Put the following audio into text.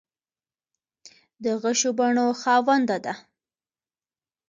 د غشو بڼو خاونده ده